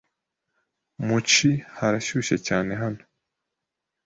Mu ci, harashyushye cyane hano.